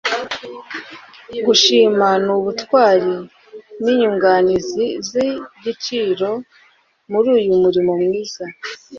gushima n'ubutwari ni inyunganizi z'igiciro muri uyu murimo mwiza;